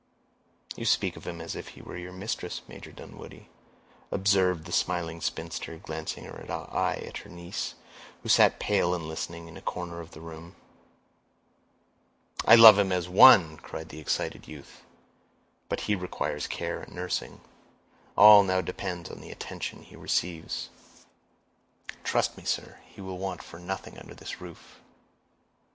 "You speak of him as if he were your mistress, Major Dunwoodie," observed the smiling spinster, glancing her eye at her niece, who sat pale and listening, in a corner of the room. "I love him as one," cried the excited youth. "But he requires care and nursing; all now depends on the attention he receives." "Trust me, sir, he will want for nothing under this roof."